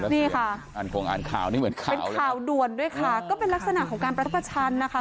นี่ค่ะเป็นข่าวด่วนด้วยค่ะก็เป็นลักษณะของการประทับชันนะคะ